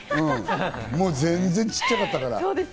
全然小っちゃかったからから。